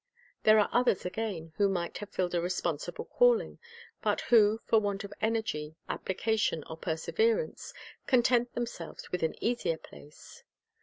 There are others, again, who might have filled a responsible calling, but who, for want of energy, application, or perseverance, content themselves with an easier place.